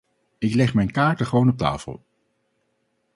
Ik leg mijn kaarten gewoon op tafel.